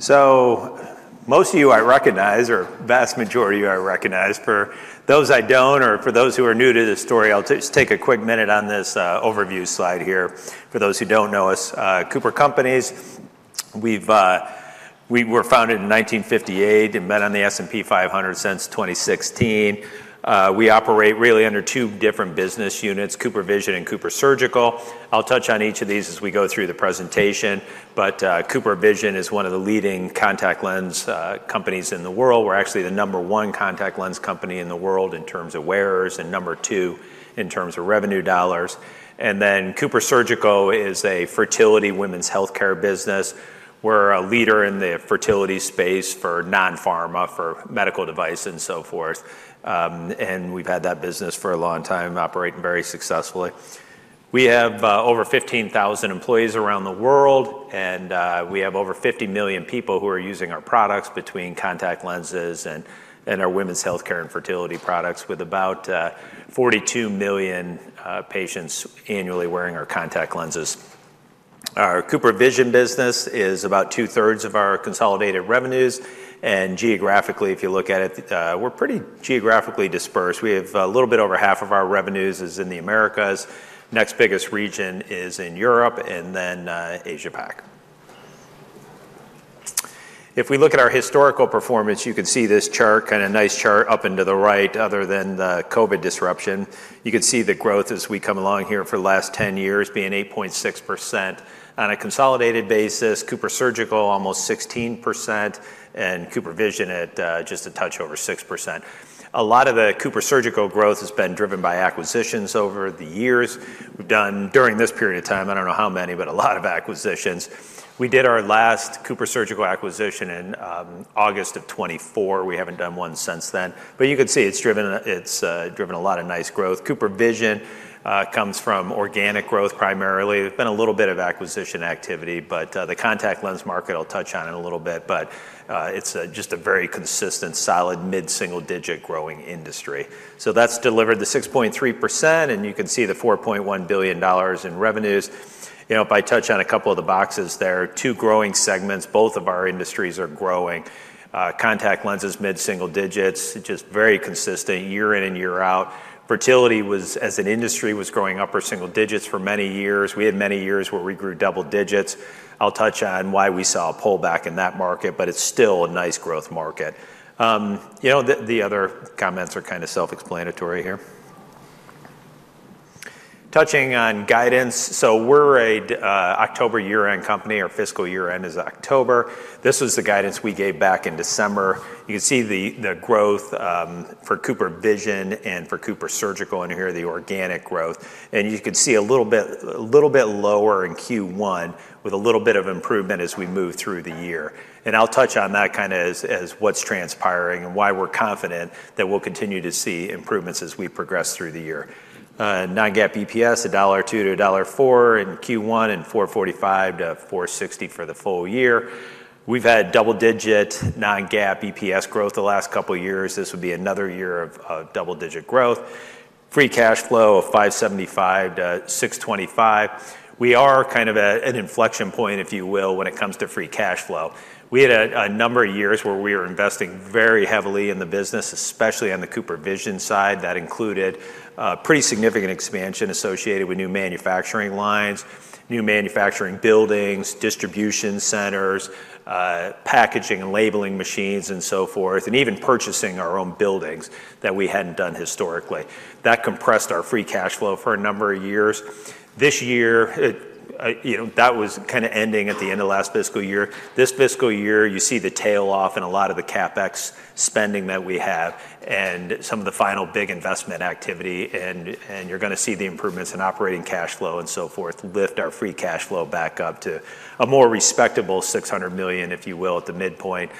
So most of you I recognize, or vast majority of you I recognize. For those I don't, or for those who are new to this story, I'll just take a quick minute on this overview slide here for those who don't know us. Cooper Companies, we were founded in 1958 and added to the S&P 500 since 2016. We operate really under two different business units, CooperVision and CooperSurgical. I'll touch on each of these as we go through the presentation. But CooperVision is one of the leading contact lens companies in the world. We're actually the number one contact lens company in the world in terms of wearers and number two in terms of revenue dollars. And then CooperSurgical is a fertility women's healthcare business. We're a leader in the fertility space for non-pharma, for medical device and so forth. We've had that business for a long time, operating very successfully. We have over 15,000 employees around the world, and we have over 50 million people who are using our products between contact lenses and our women's healthcare and fertility products, with about 42 million patients annually wearing our contact lenses. Our CooperVision business is about two-3rds of our consolidated revenues. Geographically, if you look at it, we're pretty geographically dispersed. We have a little bit over half of our revenues is in the Americas. Next biggest region is in Europe and then Asia-Pac. If we look at our historical performance, you can see this chart, kind of nice chart up and to the right, other than the COVID disruption. You can see the growth as we come along here for the last 10 years being 8.6%. On a consolidated basis, CooperSurgical almost 16%, and CooperVision at just a touch over 6%. A lot of the CooperSurgical growth has been driven by acquisitions over the years. We've done, during this period of time, I don't know how many, but a lot of acquisitions. We did our last CooperSurgical acquisition in August of 2024. We haven't done one since then. But you can see it's driven a lot of nice growth. CooperVision comes from organic growth primarily. There's been a little bit of acquisition activity, but the contact lens market, I'll touch on it a little bit, but it's just a very consistent, solid mid-single-digit growing industry. So that's delivered the 6.3%, and you can see the $4.1 billion in revenues. If I touch on a couple of the boxes there, two growing segments, both of our industries are growing. Contact lenses, mid-single digits, just very consistent year in and year out. Fertility was, as an industry, was growing upper single digits for many years. We had many years where we grew double digits. I'll touch on why we saw a pullback in that market, but it's still a nice growth market. The other comments are kind of self-explanatory here. Touching on guidance, so we're an October year-end company. Our fiscal year-end is October. This was the guidance we gave back in December. You can see the growth for CooperVision and for CooperSurgical in here, the organic growth. And you can see a little bit lower in Q1, with a little bit of improvement as we move through the year. And I'll touch on that kind of as what's transpiring and why we're confident that we'll continue to see improvements as we progress through the year. Non-GAAP EPS $1.02-$1.04 in Q1 and $4.45-$4.60 for the full year. We've had double-digit non-GAAP EPS growth the last couple of years. This would be another year of double-digit growth. Free cash flow of $5.75-$6.25. We are kind of at an inflection point, if you will, when it comes to free cash flow. We had a number of years where we were investing very heavily in the business, especially on the CooperVision side. That included pretty significant expansion associated with new manufacturing lines, new manufacturing buildings, distribution centers, packaging and labeling machines, and so forth, and even purchasing our own buildings that we hadn't done historically. That compressed our free cash flow for a number of years. This year, that was kind of ending at the end of last fiscal year. This fiscal year, you see the tail off in a lot of the CapEx spending that we have and some of the final big investment activity. You're going to see the improvements in operating cash flow and so forth lift our free cash flow back up to a more respectable $600 million, if you will, at the midpoint.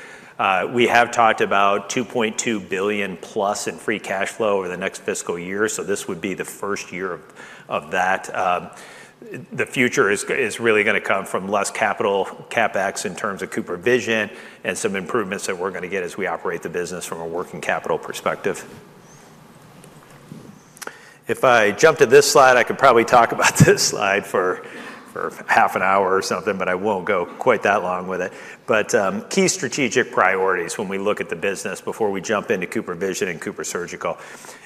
We have talked about $2.2 billion plus in free cash flow over the next fiscal year. This would be the 1st year of that. The future is really going to come from less capital CapEx in terms of CooperVision, and some improvements that we're going to get as we operate the business from a working capital perspective. If I jump to this slide, I could probably talk about this slide for half an hour or something, but I won't go quite that long with it. But key strategic priorities, when we look at the business before we jump into CooperVision and CooperSurgical.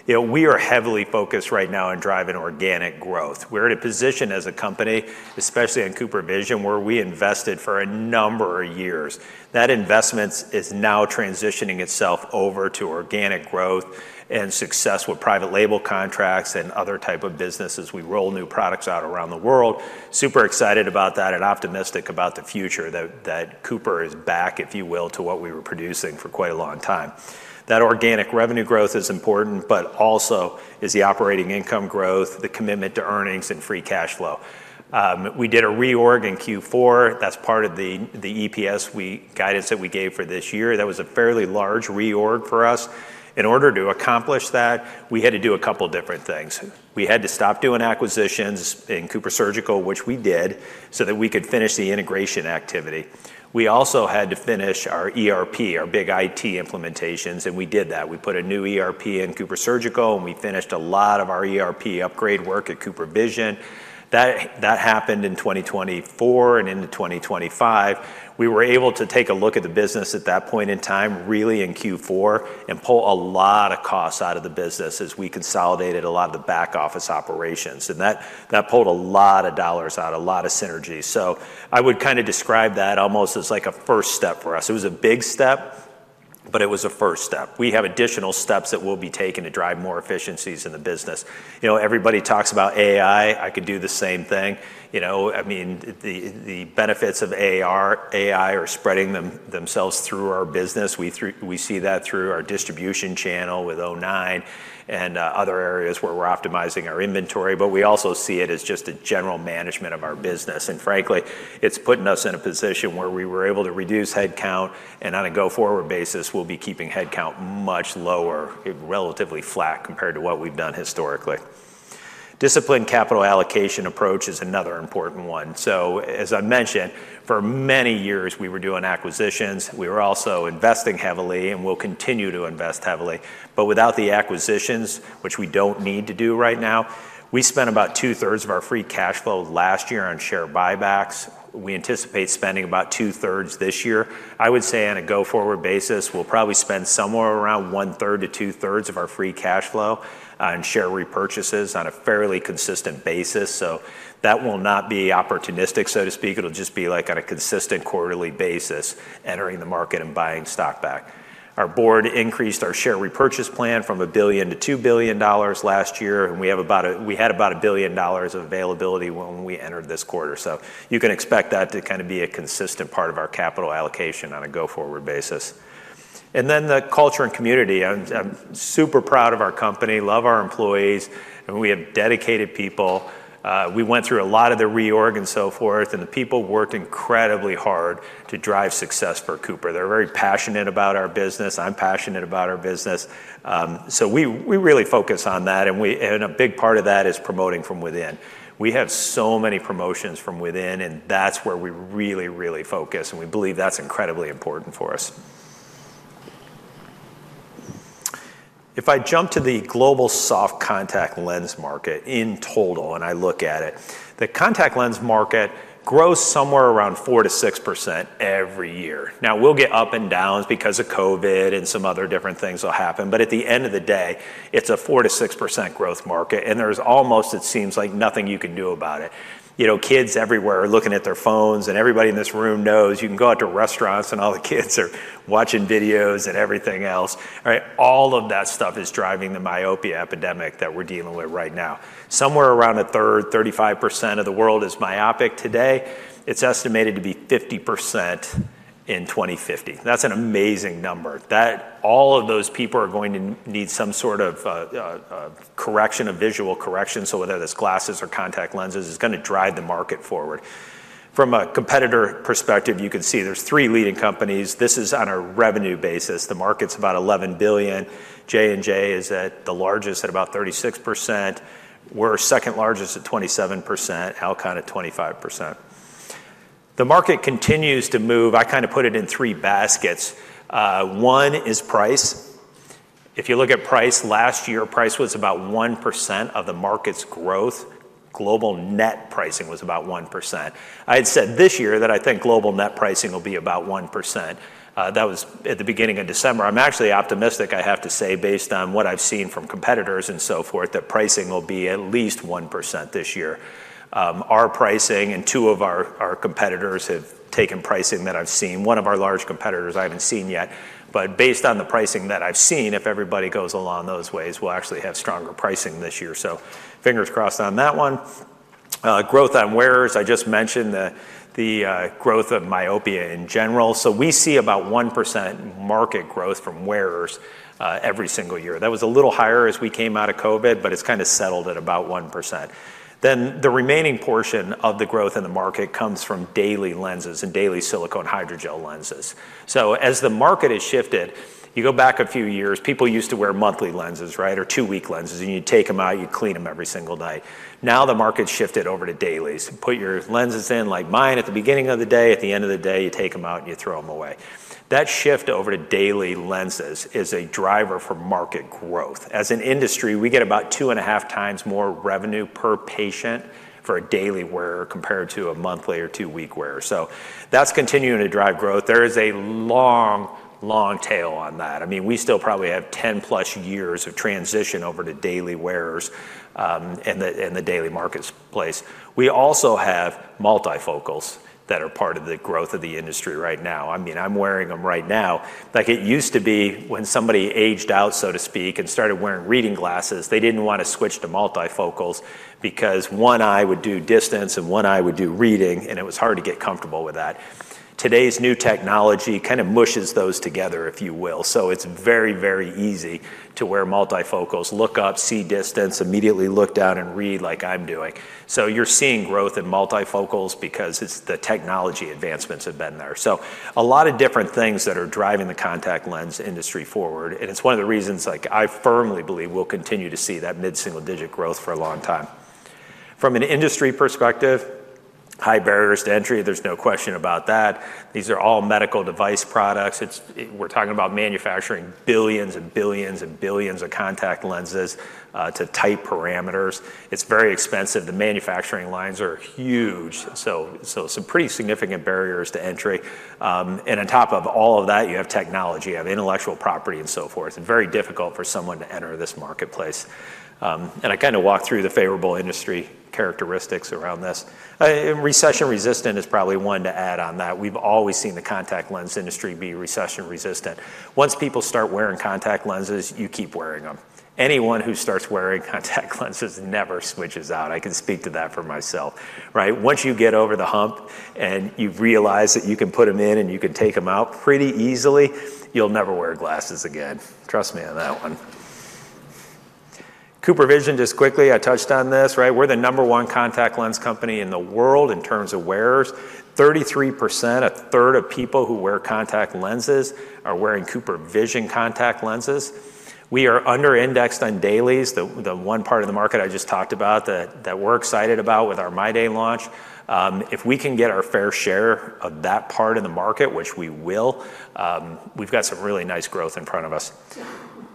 We are heavily focused right now on driving organic growth. We're in a position as a company, especially on CooperVision, where we invested for a number of years. That investment is now transitioning itself over to organic growth and success with private label contracts and other types of businesses. We roll new products out around the world. Super excited about that and optimistic about the future that Cooper is back, if you will, to what we were producing for quite a long time. That organic revenue growth is important, but also is the operating income growth, the commitment to earnings, and free cash flow. We did a reorg in Q4. That's part of the EPS guidance that we gave for this year. That was a fairly large reorg for us. In order to accomplish that, we had to do a couple of different things. We had to stop doing acquisitions in CooperSurgical, which we did, so that we could finish the integration activity. We also had to finish our ERP, our big IT implementations, and we did that. We put a new ERP in CooperSurgical, and we finished a lot of our ERP upgrade work at CooperVision. That happened in 2024 and into 2025. We were able to take a look at the business at that point in time, really in Q4, and pull a lot of costs out of the business as we consolidated a lot of the back office operations. That pulled a lot of dollars out, a lot of synergy. I would kind of describe that almost as like a first step for us. It was a big step, but it was a first step. We have additional steps that will be taken to drive more efficiencies in the business. Everybody talks about AI. I could do the same thing. I mean, the benefits of AI are spreading themselves through our business. We see that through our distribution channel with o9 and other areas where we're optimizing our inventory. But we also see it as just a general management of our business. And frankly, it's putting us in a position where we were able to reduce headcount, and on a go-forward basis, we'll be keeping headcount much lower, relatively flat compared to what we've done historically. Disciplined capital allocation approach is another important one. So as I mentioned, for many years, we were doing acquisitions. We were also investing heavily and will continue to invest heavily. But without the acquisitions, which we don't need to do right now, we spent about two-thirds of our free cash flow last year on share buybacks. We anticipate spending about two-thirds this year. I would say on a go-forward basis, we'll probably spend somewhere around one-third to two-thirds of our free cash flow on share repurchases on a fairly consistent basis. So that will not be opportunistic, so to speak. It'll just be like on a consistent quarterly basis, entering the market and buying stock back. Our board increased our share repurchase plan from $1 billion to $2 billion last year. And we had about $1 billion of availability when we entered this quarter. So you can expect that to kind of be a consistent part of our capital allocation on a go-forward basis. And then the culture and community. I'm super proud of our company, love our employees, and we have dedicated people. We went through a lot of the reorg and so forth, and the people worked incredibly hard to drive success for Cooper. They're very passionate about our business. I'm passionate about our business. So we really focus on that, and a big part of that is promoting from within. We have so many promotions from within, and that's where we really, really focus. And we believe that's incredibly important for us. If I jump to the global soft contact lens market in total, and I look at it, the contact lens market grows somewhere around 4%-6% every year. Now, we'll get ups and downs because of COVID and some other different things will happen. But at the end of the day, it's a 4%-6% growth market, and there's almost, it seems like, nothing you can do about it. Kids everywhere are looking at their phones, and everybody in this room knows you can go out to restaurants and all the kids are watching videos and everything else. All of that stuff is driving the myopia epidemic that we're dealing with right now. Somewhere around a 3rd, 35% of the world is myopic today. It's estimated to be 50% in 2050. That's an amazing number. All of those people are going to need some sort of correction, a visual correction. So whether that's glasses or contact lenses, it's going to drive the market forward. From a competitor perspective, you can see there's three leading companies. This is on a revenue basis. The market's about $11 billion. J&J is the largest at about 36%. We're 2nd largest at 27%, Alcon at 25%. The market continues to move. I kind of put it in three baskets. One is price. If you look at price last year, price was about 1% of the market's growth. Global net pricing was about 1%. I had said this year that I think global net pricing will be about 1%. That was at the beginning of December. I'm actually optimistic, I have to say, based on what I've seen from competitors and so forth, that pricing will be at least 1% this year. Our pricing and two of our competitors have taken pricing that I've seen. One of our large competitors I haven't seen yet. But based on the pricing that I've seen, if everybody goes along those ways, we'll actually have stronger pricing this year. So fingers crossed on that one. Growth on wearers. I just mentioned the growth of myopia in general. We see about 1% market growth from wearers every single year. That was a little higher as we came out of COVID, but it's kind of settled at about 1%. Then the remaining portion of the growth in the market comes from daily lenses and daily silicone hydrogel lenses. As the market has shifted, you go back a few years, people used to wear monthly lenses, right, or two-week lenses, and you'd take them out, you'd clean them every single day. Now the market's shifted over to dailies. Put your lenses in like mine at the beginning of the day. At the end of the day, you take them out and you throw them away. That shift over to daily lenses is a driver for market growth. As an industry, we get about two and a half times more revenue per patient for a daily wearer compared to a monthly or two-week wearer. So that's continuing to drive growth. There is a long, long tail on that. I mean, we still probably have 10-plus years of transition over to daily wearers in the daily marketplace. We also have multifocals that are part of the growth of the industry right now. I mean, I'm wearing them right now. It used to be when somebody aged out, so to speak, and started wearing reading glasses, they didn't want to switch to multifocals because one eye would do distance and one eye would do reading, and it was hard to get comfortable with that. Today's new technology kind of mashes those together, if you will. It's very, very easy to wear multifocals, look up, see distance, immediately look down and read like I'm doing. You're seeing growth in multifocals because the technology advancements have been there. A lot of different things that are driving the contact lens industry forward. It's one of the reasons I firmly believe we'll continue to see that mid-single digit growth for a long time. From an industry perspective, high barriers to entry. There's no question about that. These are all medical device products. We're talking about manufacturing billions and billions and billions of contact lenses to tight parameters. It's very expensive. The manufacturing lines are huge. Some pretty significant barriers to entry. On top of all of that, you have technology, you have intellectual property, and so forth. It's very difficult for someone to enter this marketplace. I kind of walked through the favorable industry characteristics around this. Recession resistant is probably one to add on that. We've always seen the contact lens industry be recession resistant. Once people start wearing contact lenses, you keep wearing them. Anyone who starts wearing contact lenses never switches out. I can speak to that for myself. Once you get over the hump and you've realized that you can put them in and you can take them out pretty easily, you'll never wear glasses again. Trust me on that one. CooperVision, just quickly, I touched on this. We're the number one contact lens company in the world in terms of wearers. 33%, a 3rd of people who wear contact lenses are wearing CooperVision contact lenses. We are under-indexed on dailies, the one part of the market I just talked about that we're excited about with our MyDay launch. If we can get our fair share of that part of the market, which we will, we've got some really nice growth in front of us.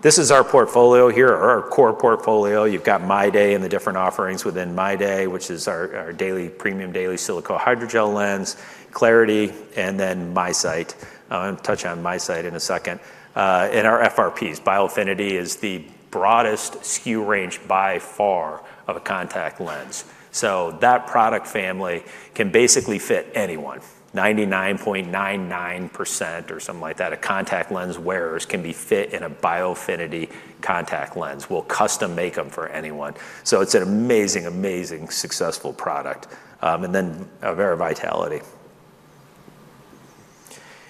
This is our portfolio here, our core portfolio. You've got MyDay and the different offerings within MyDay, which is our daily premium daily silicone hydrogel lens, clariti, and then MiSight. I'll touch on MiSight in a second. And our spheres, Biofinity is the broadest SKU range by far of a contact lens. So that product family can basically fit anyone, 99.99% or something like that. A contact lens wearer can be fit in a Biofinity contact lens. We'll custom make them for anyone. So it's an amazing, amazing successful product and then Avaira Vitality.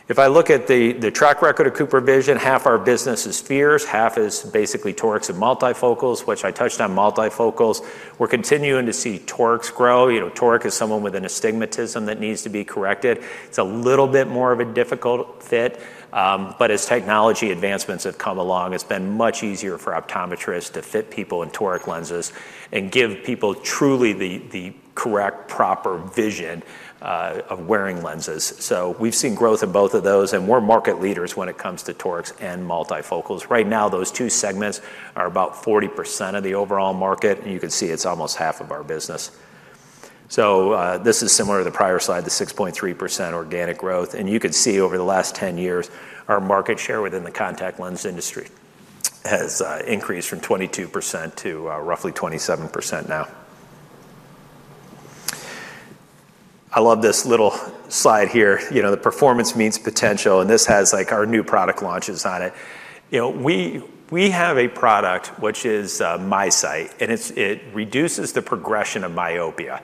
If I look at the track record of CooperVision, half our business is spheres. Half is basically torics and multifocals, which I touched on multifocals. We're continuing to see torics grow. Toric is someone with an astigmatism that needs to be corrected. It's a little bit more of a difficult fit. But as technology advancements have come along, it's been much easier for optometrists to fit people in toric lenses and give people truly the correct, proper vision of wearing lenses. So we've seen growth in both of those, and we're market leaders when it comes to torics and multifocals. Right now, those two segments are about 40% of the overall market, and you can see it's almost half of our business. So this is similar to the prior slide, the 6.3% organic growth. You can see over the last 10 years, our market share within the contact lens industry has increased from 22% to roughly 27% now. I love this little slide here. The performance meets potential, and this has our new product launches on it. We have a product, which is MiSight, and it reduces the progression of myopia.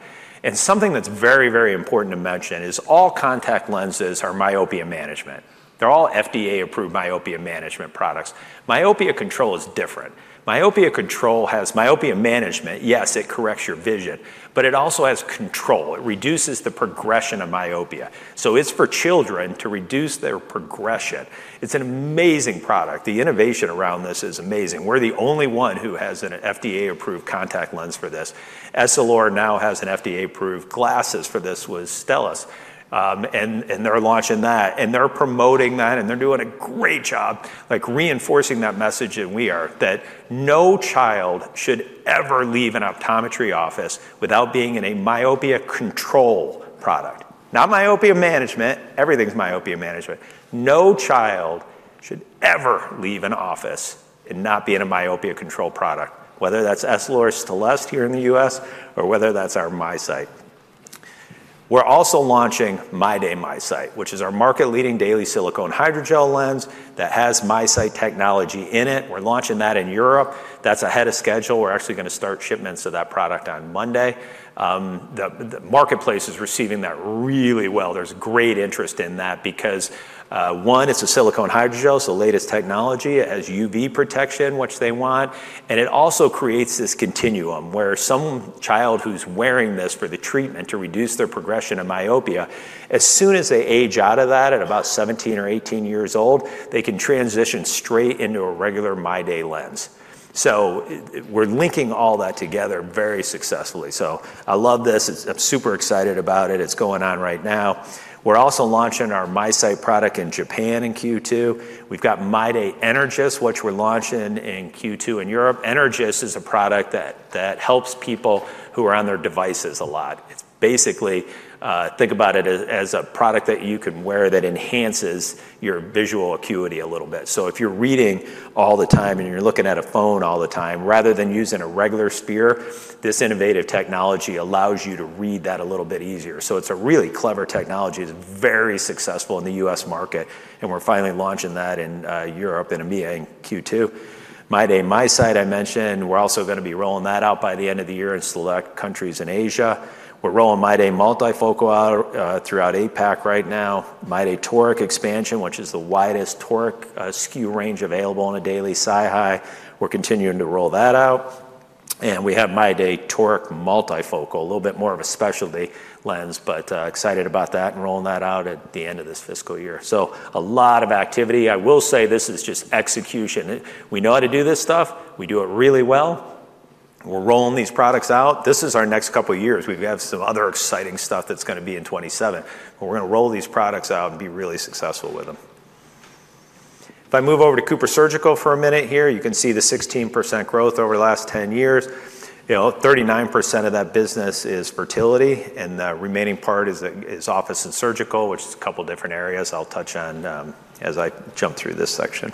Something that's very, very important to mention is all contact lenses are myopia management. They're all FDA-approved myopia management products. Myopia control is different. Myopia control has myopia management. Yes, it corrects your vision, but it also has control. It reduces the progression of myopia. So it's for children to reduce their progression. It's an amazing product. The innovation around this is amazing. We're the only one who has an FDA-approved contact lens for this. EssilorLuxottica now has an FDA-approved glasses for this with Stellest, and they're launching that. They're promoting that, and they're doing a great job reinforcing that message that we are, that no child should ever leave an optometry office without being in a myopia control product. Not myopia management. Everything's myopia management. No child should ever leave an office and not be in a myopia control product, whether that's EssilorLuxottica Stellest here in the U.S. or whether that's our MiSight. We're also launching MyDay MiSight, which is our market-leading daily silicone hydrogel lens that has MiSight technology in it. We're launching that in Europe. That's ahead of schedule. We're actually going to start shipments of that product on Monday. The marketplace is receiving that really well. There's great interest in that because, one, it's a silicone hydrogel, so latest technology has UV protection, which they want. It also creates this continuum where some child who's wearing this for the treatment to reduce their progression of myopia, as soon as they age out of that at about 17 or 18 years old, they can transition straight into a regular MyDay lens, so we're linking all that together very successfully, so I love this. I'm super excited about it. It's going on right now. We're also launching our MiSight product in Japan in Q2. We've got MyDay Energys, which we're launching in Q2 in Europe. Energys is a product that helps people who are on their devices a lot. It's basically, think about it as a product that you can wear that enhances your visual acuity a little bit. So if you're reading all the time and you're looking at a phone all the time, rather than using a regular sphere, this innovative technology allows you to read that a little bit easier. So it's a really clever technology. It's very successful in the US market, and we're finally launching that in Europe and EMEA in Q2. MyDay MiSight I mentioned. We're also going to be rolling that out by the end of the year in select countries in Asia. We're rolling MyDay Multifocal out throughout APAC right now. MyDay Toric Expansion, which is the widest toric SKU range available on a daily SiHy. We're continuing to roll that out. And we have MyDay Toric Multifocal, a little bit more of a specialty lens, but excited about that and rolling that out at the end of this fiscal year. So a lot of activity. I will say this is just execution. We know how to do this stuff. We do it really well. We're rolling these products out. This is our next couple of years. We have some other exciting stuff that's going to be in 2027. We're going to roll these products out and be really successful with them. If I move over to CooperSurgical for a minute here, you can see the 16% growth over the last 10 years. 39% of that business is fertility, and the remaining part is office and surgical, which is a couple of different areas I'll touch on as I jump through this section.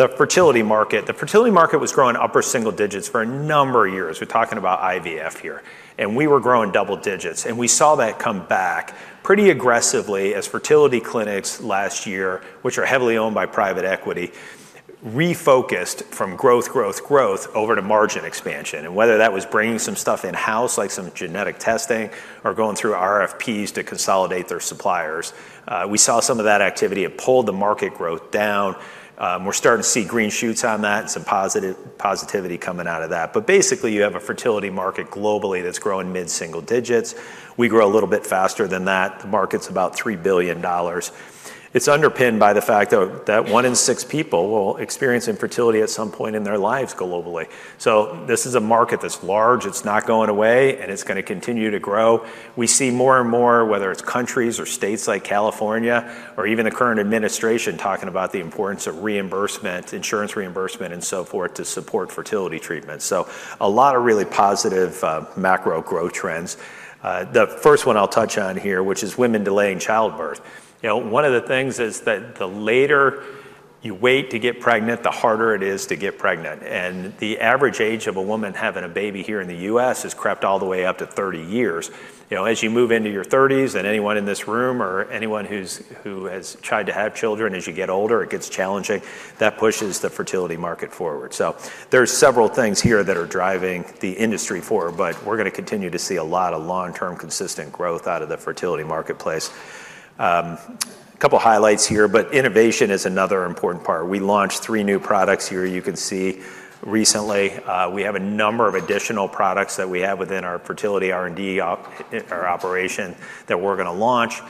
The fertility market. The fertility market was growing upper single digits for a number of years. We're talking about IVF here, and we were growing double digits. And we saw that come back pretty aggressively as fertility clinics last year, which are heavily owned by private equity, refocused from growth, growth, growth over to margin expansion. And whether that was bringing some stuff in-house, like some genetic testing, or going through RFPs to consolidate their suppliers, we saw some of that activity. It pulled the market growth down. We're starting to see green shoots on that and some positivity coming out of that. But basically, you have a fertility market globally that's growing mid-single digits. We grow a little bit faster than that. The market's about $3 billion. It's underpinned by the fact that one in six people will experience infertility at some point in their lives globally. So this is a market that's large. It's not going away, and it's going to continue to grow. We see more and more, whether it's countries or states like California or even the current administration talking about the importance of reimbursement, insurance reimbursement, and so forth to support fertility treatments, so a lot of really positive macro growth trends. The first one I'll touch on here, which is women delaying childbirth. One of the things is that the later you wait to get pregnant, the harder it is to get pregnant, and the average age of a woman having a baby here in the U.S. has crept all the way up to 30 years. As you move into your 30s, and anyone in this room or anyone who has tried to have children, as you get older, it gets challenging. That pushes the fertility market forward. So there's several things here that are driving the industry forward, but we're going to continue to see a lot of long-term consistent growth out of the fertility marketplace. A couple of highlights here, but innovation is another important part. We launched three new products here you can see recently. We have a number of additional products that we have within our fertility R&D operation that we're going to launch.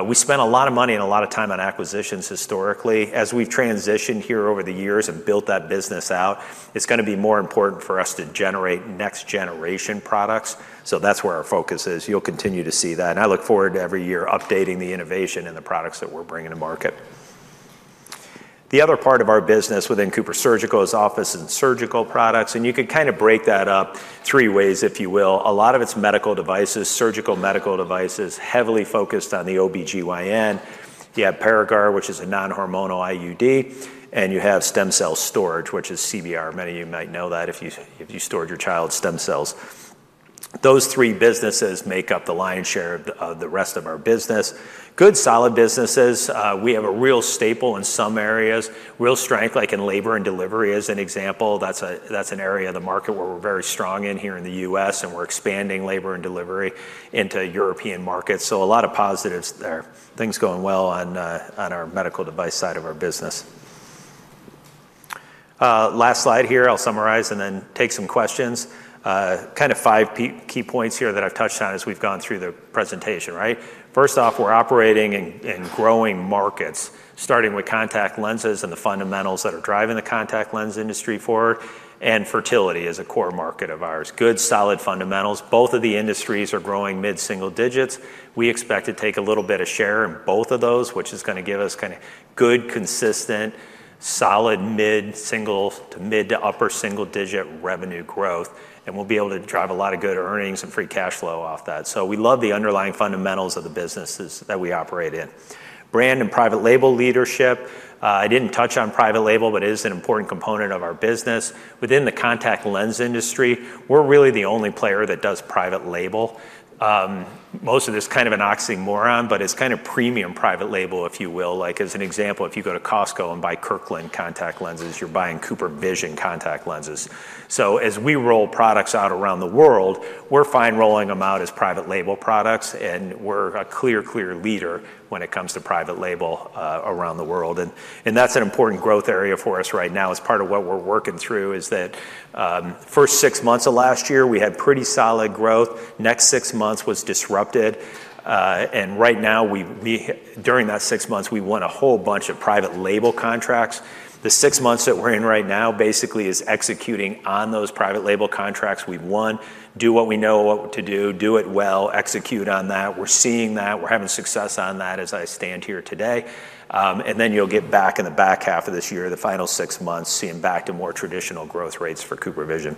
We spent a lot of money and a lot of time on acquisitions historically. As we've transitioned here over the years and built that business out, it's going to be more important for us to generate next-generation products. So that's where our focus is. You'll continue to see that. And I look forward to every year updating the innovation and the products that we're bringing to market. The other part of our business within CooperSurgical is office and surgical products. And you could kind of break that up three ways, if you will. A lot of it's medical devices, surgical medical devices, heavily focused on the OB-GYN. You have Paragard, which is a non-hormonal IUD, and you have stem cell storage, which is CBR. Many of you might know that if you stored your child's stem cells. Those three businesses make up the lion's share of the rest of our business. Good solid businesses. We have a real staple in some areas. Real strength, like in labor and delivery as an example. That's an area of the market where we're very strong in here in the U.S., and we're expanding labor and delivery into European markets. So a lot of positives there. Things going well on our medical device side of our business. Last slide here. I'll summarize and then take some questions. Kind of five key points here that I've touched on as we've gone through the presentation. First off, we're operating in growing markets, starting with contact lenses and the fundamentals that are driving the contact lens industry forward, and fertility is a core market of ours. Good solid fundamentals. Both of the industries are growing mid-single digits. We expect to take a little bit of share in both of those, which is going to give us kind of good, consistent, solid mid-single to mid to upper single digit revenue growth, and we'll be able to drive a lot of good earnings and free cash flow off that, so we love the underlying fundamentals of the businesses that we operate in. Brand and private label leadership. I didn't touch on private label, but it is an important component of our business. Within the contact lens industry, we're really the only player that does private label. Most of this is kind of an oxymoron, but it's kind of premium private label, if you will. As an example, if you go to Costco and buy Kirkland contact lenses, you're buying CooperVision contact lenses. So as we roll products out around the world, we're fine rolling them out as private label products, and we're a clear, clear leader when it comes to private label around the world. And that's an important growth area for us right now. As part of what we're working through is that 1st six months of last year, we had pretty solid growth. Next six months was disrupted. And right now, during that six months, we won a whole bunch of private label contracts. The six months that we're in right now basically is executing on those private label contracts we've won, do what we know what to do, do it well, execute on that. We're seeing that. We're having success on that as I stand here today. And then you'll get back in the back half of this year, the final six months, seeing back to more traditional growth rates for CooperVision.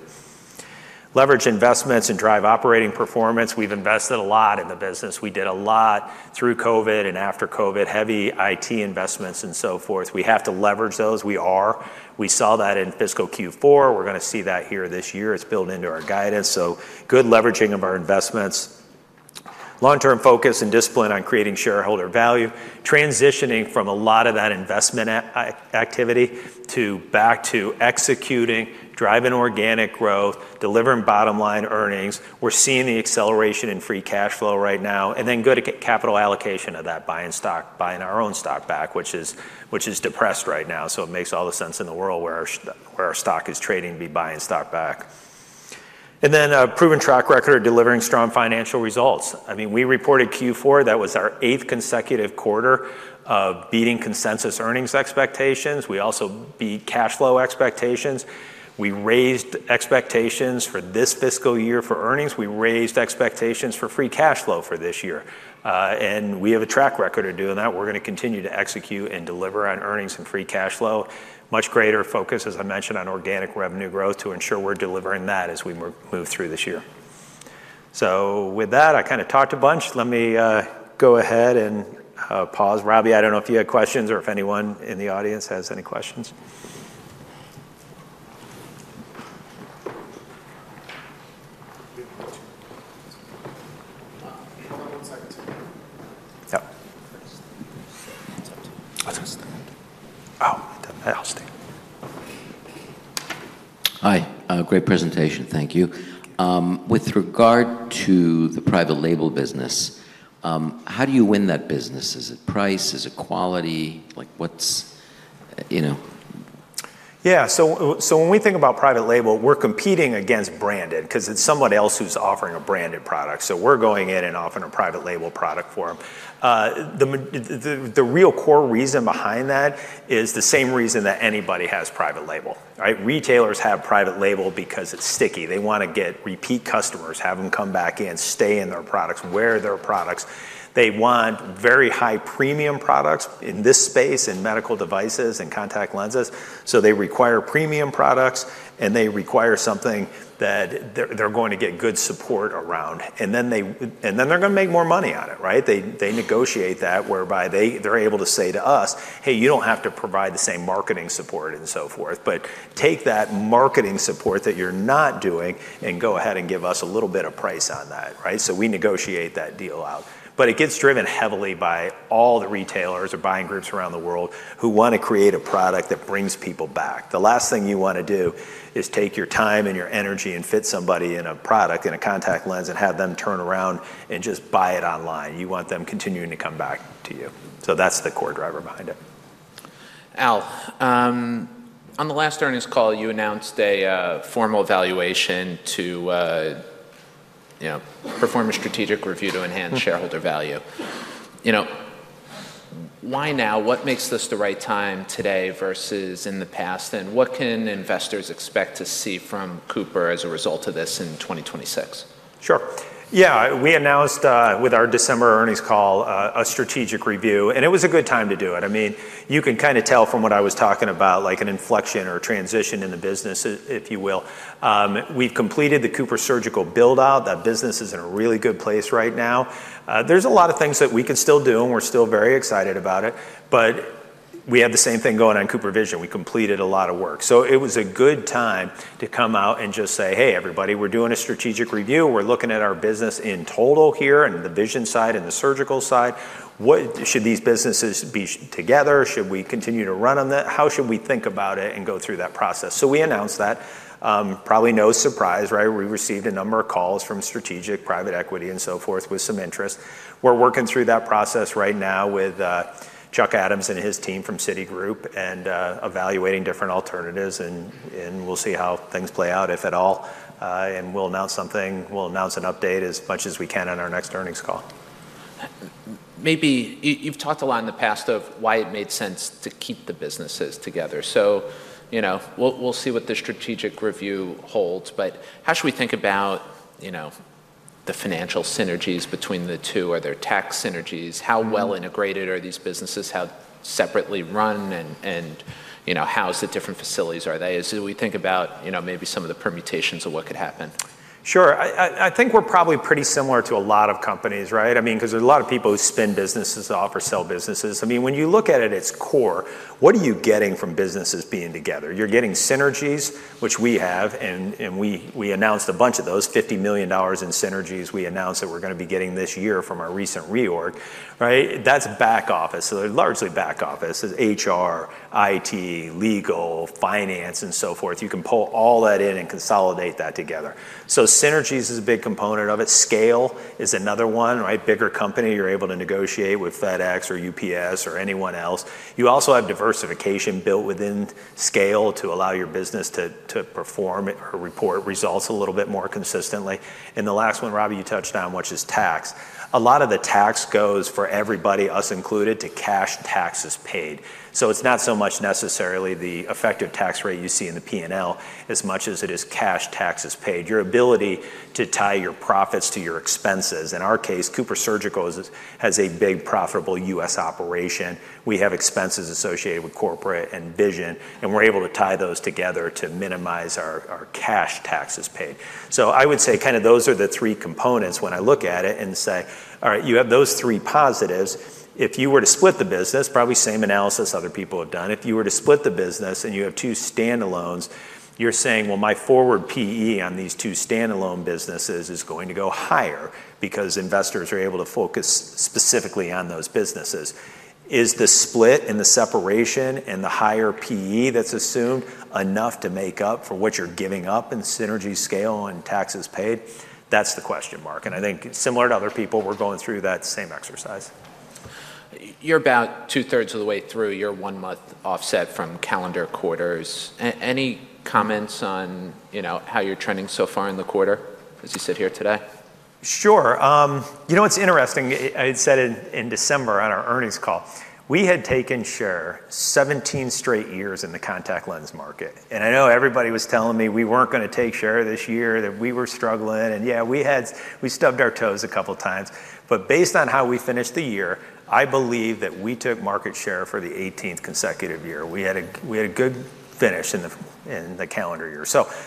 Leverage investments and drive operating performance. We've invested a lot in the business. We did a lot through COVID and after COVID, heavy IT investments and so forth. We have to leverage those. We are. We saw that in fiscal Q4. We're going to see that here this year. It's built into our guidance. So good leveraging of our investments. Long-term focus and discipline on creating shareholder value. Transitioning from a lot of that investment activity back to executing, driving organic growth, delivering bottom-line earnings. We're seeing the acceleration in free cash flow right now, and then good capital allocation of that buying stock, buying our own stock back, which is depressed right now, so it makes all the sense in the world where our stock is trading to be buying stock back, and then a proven track record of delivering strong financial results. I mean, we reported Q4. That was our eighth consecutive quarter of beating consensus earnings expectations. We also beat cash flow expectations. We raised expectations for this fiscal year for earnings. We raised expectations for free cash flow for this year, and we have a track record of doing that. We're going to continue to execute and deliver on earnings and free cash flow. Much greater focus, as I mentioned, on organic revenue growth to ensure we're delivering that as we move through this year. So with that, I kind of talked a bunch. Let me go ahead and pause. Robbie, I don't know if you had questions or if anyone in the audience has any questions. Oh, I'll stay. Hi. Great presentation. Thank you. With regard to the private label business, how do you win that business? Is it price? Is it quality? Yeah. So when we think about private label, we're competing against branded because it's someone else who's offering a branded product. So we're going in and offering a private label product for them. The real core reason behind that is the same reason that anybody has private label. Retailers have private label because it's sticky. They want to get repeat customers, have them come back in, stay in their products, wear their products. They want very high premium products in this space, in medical devices and contact lenses. So they require premium products, and they require something that they're going to get good support around. And then they're going to make more money on it. They negotiate that whereby they're able to say to us, "Hey, you don't have to provide the same marketing support and so forth, but take that marketing support that you're not doing and go ahead and give us a little bit of price on that." So we negotiate that deal out. But it gets driven heavily by all the retailers or buying groups around the world who want to create a product that brings people back. The last thing you want to do is take your time and your energy and fit somebody in a product, in a contact lens, and have them turn around and just buy it online. You want them continuing to come back to you. So that's the core driver behind it. Al, on the last earnings call, you announced a formal evaluation to perform a strategic review to enhance shareholder value. Why now? What makes this the right time today versus in the past? And what can investors expect to see from Cooper as a result of this in 2026? Sure. Yeah. We announced with our December earnings call a strategic review, and it was a good time to do it. I mean, you can kind of tell from what I was talking about, like an inflection or a transition in the business, if you will. We've completed the CooperSurgical build-out. That business is in a really good place right now. There's a lot of things that we can still do, and we're still very excited about it. But we have the same thing going on CooperVision. We completed a lot of work. So it was a good time to come out and just say, "Hey, everybody, we're doing a strategic review. We're looking at our business in total here and the vision side and the surgical side. Should these businesses be together? Should we continue to run on that? How should we think about it and go through that process?" So we announced that. Probably no surprise. We received a number of calls from strategic private equity and so forth with some interest. We're working through that process right now with Chuck Adams and his team from Citigroup and evaluating different alternatives. And we'll see how things play out, if at all. And we'll announce something. We'll announce an update as much as we can on our next earnings call. Maybe you've talked a lot in the past of why it made sense to keep the businesses together. So we'll see what the strategic review holds. But how should we think about the financial synergies between the two? Are there tax synergies? How well integrated are these businesses? How separately run are they? And how different are their facilities? As we think about maybe some of the permutations of what could happen. Sure. I think we're probably pretty similar to a lot of companies. I mean, because there's a lot of people who spin businesses off or sell businesses. I mean, when you look at it at its core, what are you getting from businesses being together? You're getting synergies, which we have, and we announced a bunch of those: $50 million in synergies we announced that we're going to be getting this year from our recent reorg. That's back office, so they're largely back office. There's HR, IT, legal, finance, and so forth. You can pull all that in and consolidate that together, so synergies is a big component of it. Scale is another one. Bigger company, you're able to negotiate with FedEx or UPS or anyone else. You also have diversification built within scale to allow your business to perform or report results a little bit more consistently, and the last one, Robbie, you touched on, which is tax. A lot of the tax goes for everybody, us included, to cash taxes paid. It's not so much necessarily the effective tax rate you see in the P&L as much as it is cash taxes paid. Your ability to tie your profits to your expenses. In our case, CooperSurgical has a big profitable U.S. operation. We have expenses associated with corporate and vision. And we're able to tie those together to minimize our cash taxes paid. I would say kind of those are the three components when I look at it and say, "All right, you have those three positives." If you were to split the business, probably same analysis other people have done. If you were to split the business and you have two standalones, you're saying, "Well, my forward PE on these two standalone businesses is going to go higher because investors are able to focus specifically on those businesses." Is the split and the separation and the higher PE that's assumed enough to make up for what you're giving up in synergy scale and taxes paid? That's the question mark. And I think similar to other people, we're going through that same exercise. You're about two-3rds of the way through your one-month offset from calendar quarters. Any comments on how you're trending so far in the quarter as you sit here today? Sure. You know what's interesting? I had said in December on our earnings call, we had taken share 17 straight years in the contact lens market. I know everybody was telling me we weren't going to take share this year, that we were struggling. Yeah, we stubbed our toes a couple of times. Based on how we finished the year, I believe that we took market share for the 18th consecutive year. We had a good finish in the calendar year.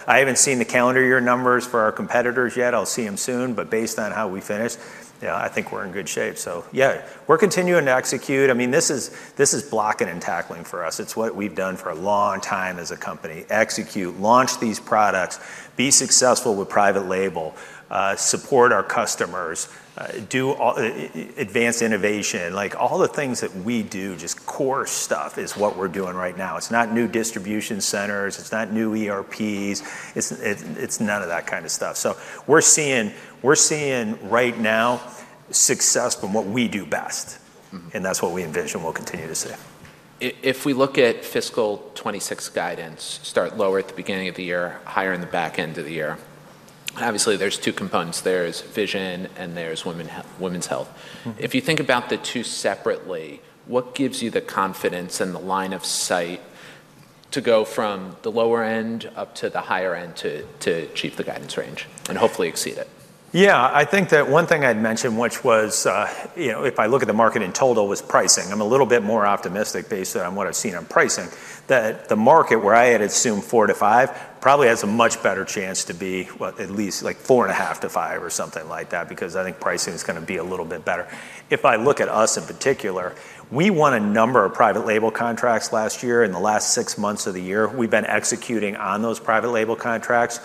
I haven't seen the calendar year numbers for our competitors yet. I'll see them soon. Based on how we finished, I think we're in good shape. Yeah, we're continuing to execute. I mean, this is blocking and tackling for us. It's what we've done for a long time as a company. Execute, launch these products, be successful with private label, support our customers, do advanced innovation. All the things that we do, just core stuff, is what we're doing right now. It's not new distribution centers. It's not new ERPs. It's none of that kind of stuff. So we're seeing right now success from what we do best, and that's what we envision we'll continue to see. If we look at fiscal 2026 guidance, start lower at the beginning of the year, higher in the back end of the year. Obviously, there's two components. There's vision and there's women's health. If you think about the two separately, what gives you the confidence and the line of sight to go from the lower end up to the higher end to achieve the guidance range and hopefully exceed it? Yeah. I think that one thing I'd mentioned, which was if I look at the market in total, was pricing. I'm a little bit more optimistic based on what I've seen on pricing, that the market where I had assumed four to five probably has a much better chance to be at least like four and a half to five or something like that because I think pricing is going to be a little bit better. If I look at us in particular, we won a number of private label contracts last year. In the last six months of the year, we've been executing on those private label contracts.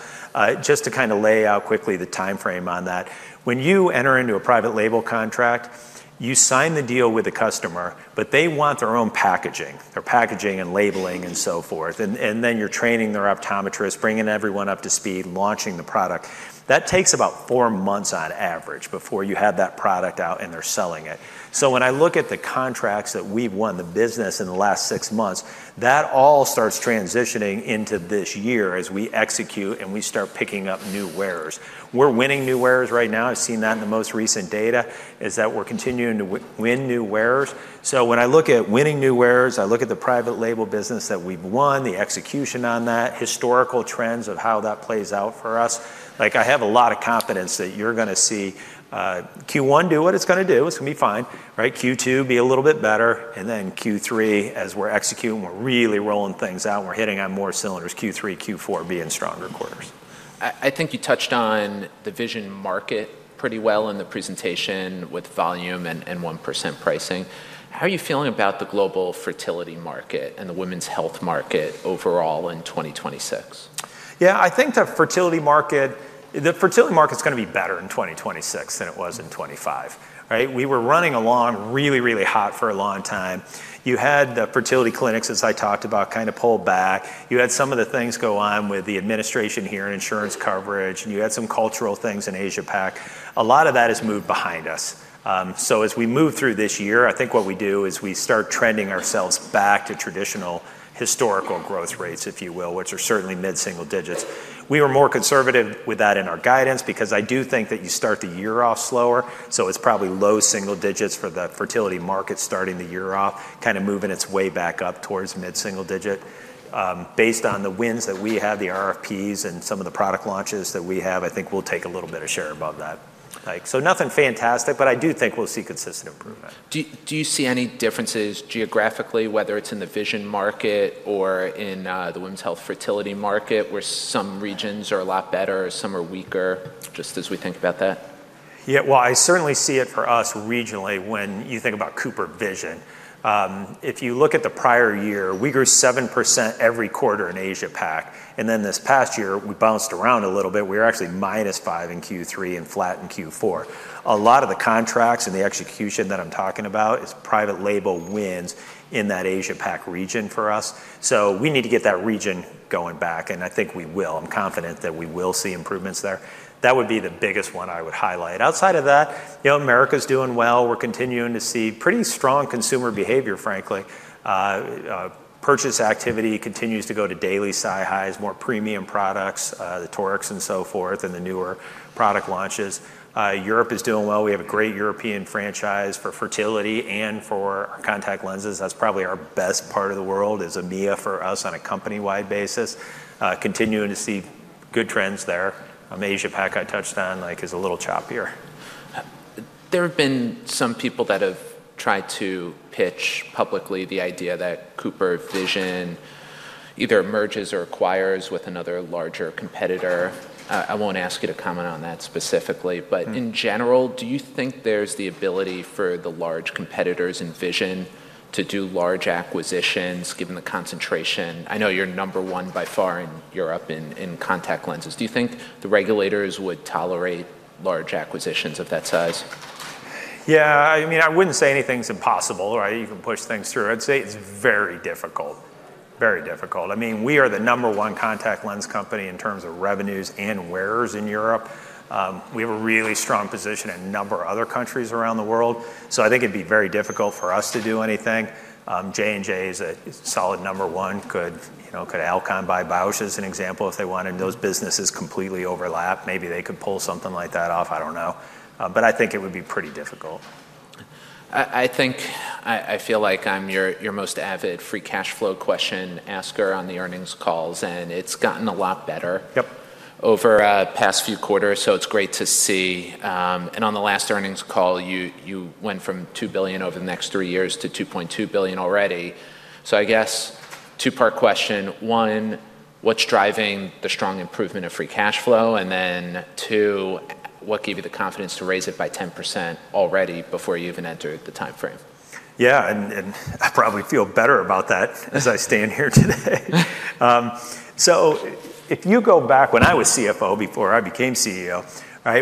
Just to kind of lay out quickly the timeframe on that. When you enter into a private label contract, you sign the deal with the customer, but they want their own packaging, their packaging and labeling and so forth. And then you're training their optometrist, bringing everyone up to speed, launching the product. That takes about four months on average before you have that product out and they're selling it. So when I look at the contracts that we've won, the business in the last six months, that all starts transitioning into this year as we execute and we start picking up new wearers. We're winning new wearers right now. I've seen that in the most recent data is that we're continuing to win new wearers. So when I look at winning new wearers, I look at the private label business that we've won, the execution on that, historical trends of how that plays out for us. I have a lot of confidence that you're going to see Q1 do what it's going to do. It's going to be fine. Q2 be a little bit better. And then Q3, as we're executing, we're really rolling things out. We're hitting on more cylinders, Q3, Q4 being stronger quarters. I think you touched on the vision market pretty well in the presentation with volume and 1% pricing. How are you feeling about the global fertility market and the women's health market overall in 2026? Yeah. I think the fertility market is going to be better in 2026 than it was in 2025. We were running along really, really hot for a long time. You had the fertility clinics, as I talked about, kind of pull back. You had some of the things go on with the administration here and insurance coverage, and you had some cultural things in Asia-Pac. A lot of that has moved behind us, so as we move through this year, I think what we do is we start trending ourselves back to traditional historical growth rates, if you will, which are certainly mid-single digits. We were more conservative with that in our guidance because I do think that you start the year off slower. So it's probably low single digits for the fertility market starting the year off, kind of moving its way back up towards mid-single digit. Based on the wins that we have, the RFPs and some of the product launches that we have, I think we'll take a little bit of share above that. So nothing fantastic, but I do think we'll see consistent improvement. Do you see any differences geographically, whether it's in the vision market or in the women's health fertility market, where some regions are a lot better or some are weaker, just as we think about that? Yeah. Well, I certainly see it for us regionally when you think about CooperVision. If you look at the prior year, we grew 7% every quarter in Asia-Pac. And then this past year, we bounced around a little bit. We were actually minus five in Q3 and flat in Q4. A lot of the contracts and the execution that I'm talking about is private label wins in that Asia-Pac region for us. So we need to get that region going back. And I think we will. I'm confident that we will see improvements there. That would be the biggest one I would highlight. Outside of that, Americas is doing well. We're continuing to see pretty strong consumer behavior, frankly. Purchase activity continues to go to daily SiHys, more premium products, the Toric and so forth, and the newer product launches. Europe is doing well. We have a great European franchise for fertility and for contact lenses. That's probably our best part of the world is EMEA for us on a company-wide basis. Continuing to see good trends there. Asia-Pac I touched on is a little choppier. There have been some people that have tried to pitch publicly the idea that CooperVision either merges or acquires with another larger competitor. I won't ask you to comment on that specifically. But in general, do you think there's the ability for the large competitors in vision to do large acquisitions given the concentration? I know you're number one by far in Europe in contact lenses. Do you think the regulators would tolerate large acquisitions of that size? Yeah. I mean, I wouldn't say anything's impossible or I even push things through. I'd say it's very difficult. Very difficult. I mean, we are the number one contact lens company in terms of revenues and wearers in Europe. We have a really strong position in a number of other countries around the world. I think it'd be very difficult for us to do anything. J&J is a solid number one. Could Alcon buy Bausch + Lomb as an example if they wanted? Those businesses completely overlap. Maybe they could pull something like that off. I don't know. But I think it would be pretty difficult. I feel like I'm your most avid free cash flow question asker on the earnings calls. And it's gotten a lot better over the past few quarters. So it's great to see. And on the last earnings call, you went from $2 billion over the next three years to $2.2 billion already. So I guess two-part question. One, what's driving the strong improvement of free cash flow? And then two, what gave you the confidence to raise it by 10% already before you even entered the timeframe? Yeah. I probably feel better about that as I stand here today. So if you go back, when I was CFO before I became CEO,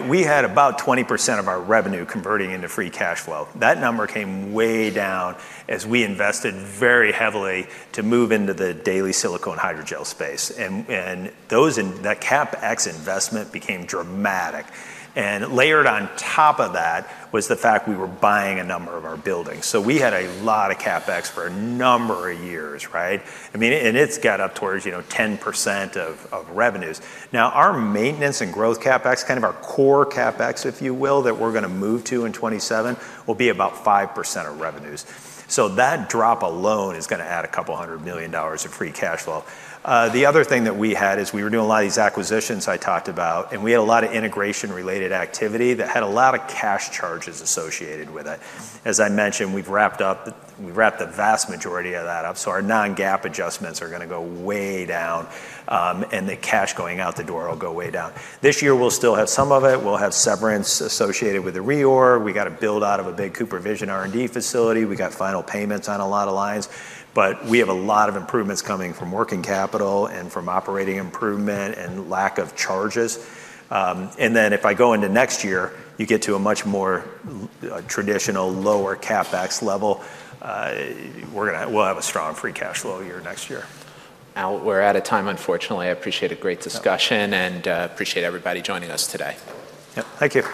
we had about 20% of our revenue converting into free cash flow. That number came way down as we invested very heavily to move into the daily silicone hydrogel space. And that CapEx investment became dramatic. And layered on top of that was the fact we were buying a number of our buildings. So we had a lot of CapEx for a number of years. And it's got up towards 10% of revenues. Now, our maintenance and growth CapEx, kind of our core CapEx, if you will, that we're going to move to in 2027, will be about 5% of revenues. So that drop alone is going to add a couple hundred million dollars of free cash flow. The other thing that we had is we were doing a lot of these acquisitions I talked about. And we had a lot of integration-related activity that had a lot of cash charges associated with it. As I mentioned, we've wrapped the vast majority of that up. So our non-GAAP adjustments are going to go way down. And the cash going out the door will go way down. This year, we'll still have some of it. We'll have severance associated with the reorg. We got a build-out of a big CooperVision R&D facility. We got final payments on a lot of lines. But we have a lot of improvements coming from working capital and from operating improvement and lack of charges. And then if I go into next year, you get to a much more traditional lower CapEx level. We'll have a strong free cash flow year next year. We're out of time, unfortunately. I appreciate a great discussion and appreciate everybody joining us today. Thank you.